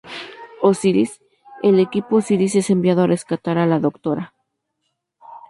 Osiris: El Equipo Osiris es enviado a rescatar a la Dra.